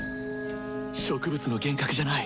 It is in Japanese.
植物の幻覚じゃない。